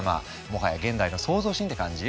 もはや現代の創造神って感じ？